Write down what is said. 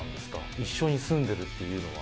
一緒に住んでるっていうのは。